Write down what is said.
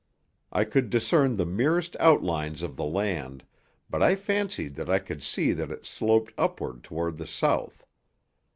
I could discern the merest outlines of the land, but I fancied that I could see that it sloped upward toward the south.